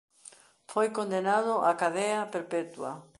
Foi condenado a cadea perpetua.